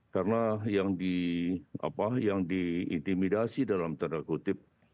karena yang di apa yang diintimidasi dalam tanda kutip